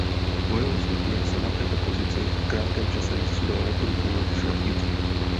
Po jeho smrti se na této pozici v krátkém čase vystřídalo několik jiných šlechticů.